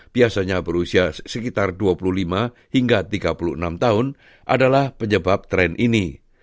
biasanya berusia sekitar dua puluh lima hingga tiga puluh enam tahun adalah penyebab tren ini